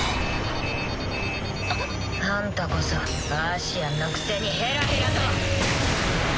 あんたこそアーシアンのくせにヘラヘラと！